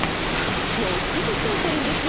もう９時過ぎてるんですよ。